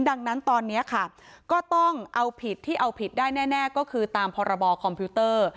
ดังนั้นตอนนี้ค่ะก็ต้องเอาผิดที่เอาผิดได้แน่ก็คือตามพรบคอมพิวเตอร์